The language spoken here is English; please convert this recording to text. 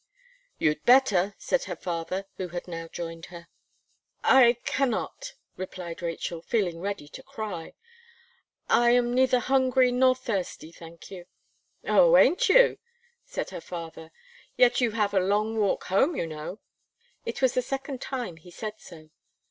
"You'd better," said her father, who had now joined her. "I cannot," replied Rachel, feeling ready to cry, "I am neither hungry nor thirsty, thank you." "Oh! aint you?" said her father, "yet you have a long walk home, you know." It was the second time he said so.